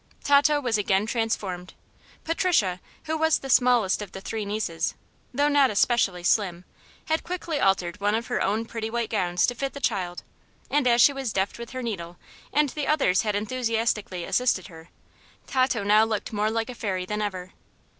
Tato was again transformed. Patricia, who was the smallest of the three nieces, though not especially slim, had quickly altered one of her own pretty white gowns to fit the child, and as she was deft with her needle and the others had enthusiastically assisted her, Tato now looked more like a fairy than ever.